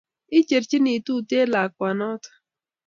icherchini tuten lakwet noto